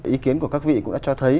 ý kiến của các vị cũng đã cho thấy